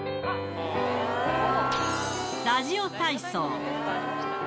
ラジオ体操。